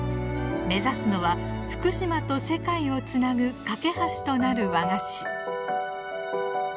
目指すのは福島と世界をつなぐ架け橋となる和菓子。